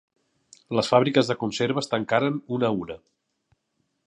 Les fàbriques de conserves tancaren una a una.